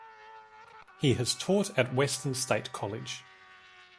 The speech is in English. He has taught at Western State College.